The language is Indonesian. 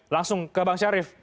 langsung ke bang syarif